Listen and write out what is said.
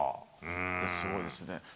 すごいですね。